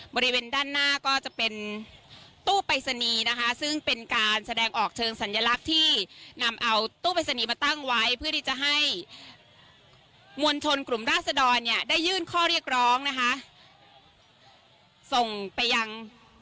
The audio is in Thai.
บริเวณด้านหน้าก็จะเป็นตู้ปรายศนีย์นะคะซึ่งเป็นการแสดงออกเชิงสัญลักษณ์ที่นำเอาตู้ปริศนีย์มาตั้งไว้เพื่อที่จะให้มวลชนกลุ่มราศดรเนี่ยได้ยื่นข้อเรียกร้องนะคะส่งไปยัง